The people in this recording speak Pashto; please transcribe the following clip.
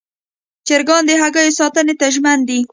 چرګان د هګیو ساتنې ته ژمن دي.